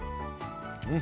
うん。